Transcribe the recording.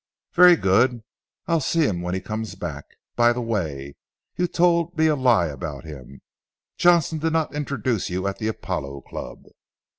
"Very good I'll see him when he comes back. By the way, you told me a lie about him, Johnstone did not introduce you at the Apollo Club."